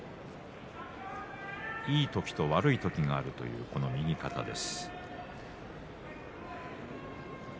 いい時と悪い時があるという右肩です